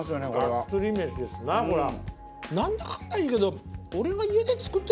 ガッツリ飯ですなこれは。